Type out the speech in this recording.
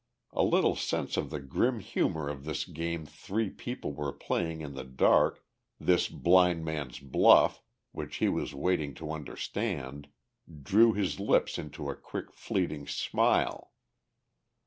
A little sense of the grim humour of this game three people were playing in the dark, this Blind Man's Buff which he was waiting to understand, drew his lips into a quick, fleeting smile.